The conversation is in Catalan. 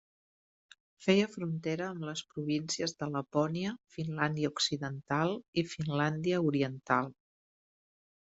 Feia frontera amb les províncies de Lapònia, Finlàndia Occidental i Finlàndia Oriental.